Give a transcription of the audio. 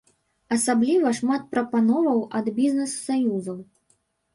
Асабліва шмат прапановаў ад бізнэс-саюзаў.